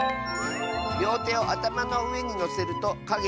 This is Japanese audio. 「りょうてをあたまのうえにのせるとかげ